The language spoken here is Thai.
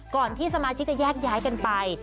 ที่สมาชิกจะแยกย้ายกันไป